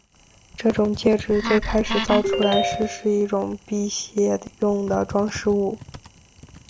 这种戒指最开始造出来时是一种辟邪用的装饰物。